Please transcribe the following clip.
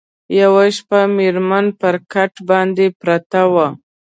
یوه شپه مېرمن پر کټ باندي پرته وه